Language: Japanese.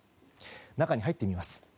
中に入ってみます。